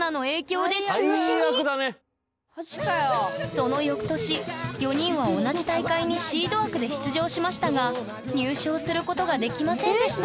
そのよくとし４人は同じ大会にシード枠で出場しましたが入賞することができませんでした